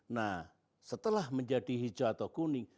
nah setelah menjadi hijau atau kuning